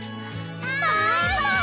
バイバイ！